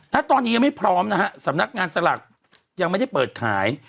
ณตอนนี้ยังไม่พร้อมนะฮะสำนักงานสลากยังไม่ได้เปิดขาย